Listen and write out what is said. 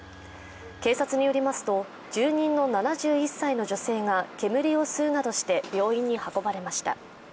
警察によりますと住人の７１歳の女性が煙を吸うなどして病院に運ばれました。